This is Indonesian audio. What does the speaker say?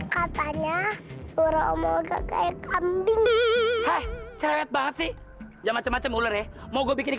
katanya suruh mohon kayak kambing hai cewek banget sih jam macam macam ular eh mau bikin